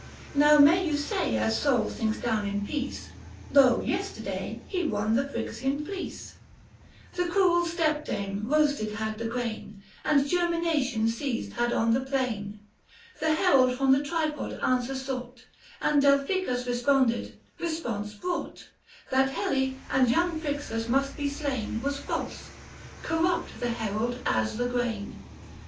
Now may you say as Sol sinks down in peace, 910 Lo yesterday he won the Phryxian fleece. The cruel stepdame roasted had the grain, And germination ceased had on the plain. The herald from the tripod answer sought, And Delphicus responded: resjDonse brought, 915 That Helle and young Phryxus must be slain Was false ; corrupt the herald as the grain.